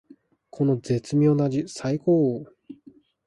この絶妙な味さいこー！